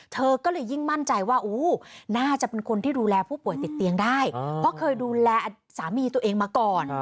เธอก็เลยยิ่งมั่นใจว่าน่าจะเป็นคนที่ดูแลผู้ป่วยติดเตียงได้เพราะเคยดูแลสามีตัวเองมาก่อน